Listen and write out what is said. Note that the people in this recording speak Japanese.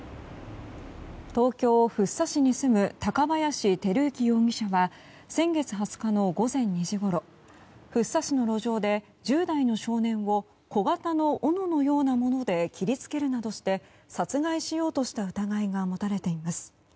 東京・福生市に住む高林輝行容疑者は先月２０日の午前２時ごろ福生市の路上で１０代の少年を小型のおののようなもので切りつけるなどして殺害しようとした疑いが持たれています。